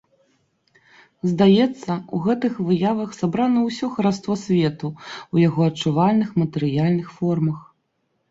Здаецца, у гэтых выявах сабрана ўсё хараство свету ў яго адчувальных матэрыяльных формах.